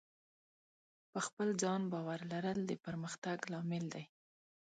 په خپل ځان باور لرل د پرمختګ لامل دی.